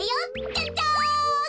ジャジャン！